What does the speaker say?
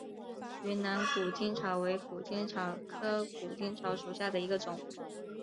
云南谷精草为谷精草科谷精草属下的一个种。